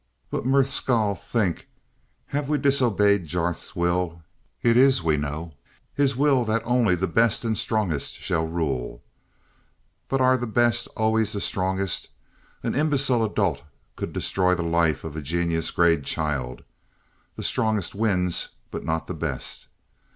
"But Merth Skahl, think have we disobeyed Jarth's will? It is, we know, his will that only the best and the strongest shall rule but are the best always the strongest? An imbecile adult could destroy the life of a genius grade child. The strongest wins, but not the best.